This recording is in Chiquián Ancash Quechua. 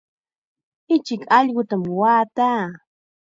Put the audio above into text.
Ichik allqutam waataa.